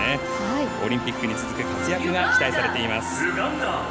オリンピックに続く活躍が期待されています。